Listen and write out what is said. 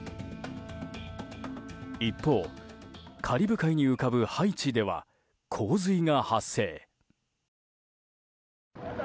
一方カリブ海に浮かぶハイチでは洪水が発生。